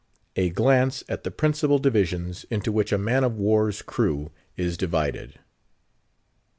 A GLANCE AT THE PRINCIPAL DIVISIONS, INTO WHICH A MAN OF WAR'S CREW IS DIVIDED.